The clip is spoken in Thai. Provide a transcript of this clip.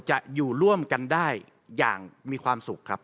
จะอยู่ร่วมกันได้อย่างมีความสุขครับ